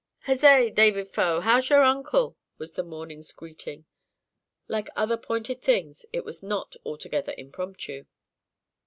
"Huzzay, David Faux! how's your uncle?" was their morning's greeting. Like other pointed things, it was not altogether impromptu.